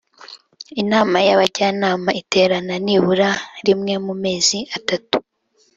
Inama y abajyanama iterana nibura rimwe mu mezi atatu